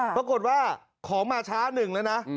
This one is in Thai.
ปรากฏว่าของมาช้าหนึ่งแล้วนะ